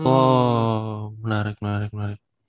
oh menarik menarik menarik